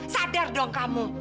sadar dong kamu